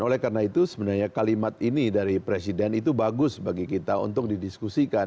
oleh karena itu sebenarnya kalimat ini dari presiden itu bagus bagi kita untuk didiskusikan